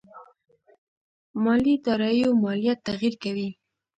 مالي داراییو ماليات تغير کوي.